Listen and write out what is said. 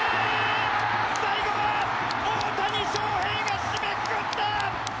最後は大谷翔平が締めくくった！